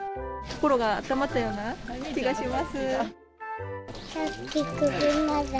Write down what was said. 心があったまったような気がします。